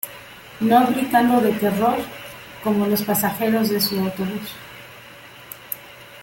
No gritando de terror como los pasajeros de su autobús.